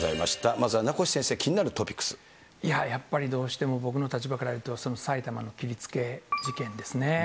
まずは名越先生、やっぱり、どうしても僕の立場からいうと、埼玉の切りつけ事件ですね。